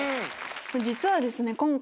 実はですね今回。